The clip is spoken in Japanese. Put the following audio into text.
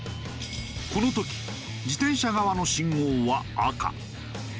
この時自転車側の信号は赤。